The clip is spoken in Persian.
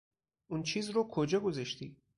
اون چیز رو کجا گذاشتی؟